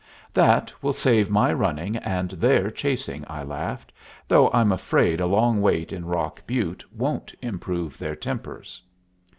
"That will save my running and their chasing," I laughed; "though I'm afraid a long wait in Rock Butte won't improve their tempers."